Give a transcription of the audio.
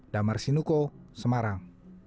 damar sinuko semarang